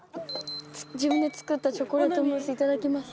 自分で作ったチョコレートムースいただきます。